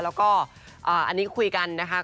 แล้วก็อันนี้คุยกันนะคะ